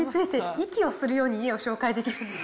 息をするように家を紹介できるんです。